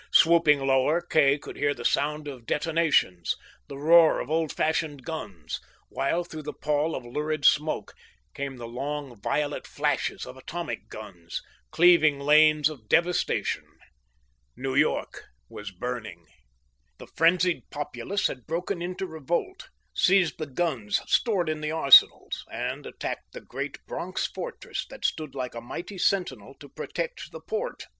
Swooping lower, Kay could hear the sound of detonations, the roar of old fashioned guns, while through the pall of lurid smoke came the long, violet flashes of atomic guns, cleaving lanes of devastation. New York was burning. The frenzied populace had broken into revolt, seized the guns stored in the arsenals, and attacked the great Bronx fortress that stood like a mighty sentinel to protect the port.